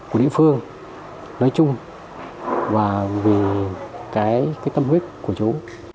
của lĩnh phương nói chung và vì cái tâm huyết của chú